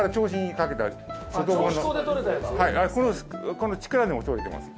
この千倉でもとれてます。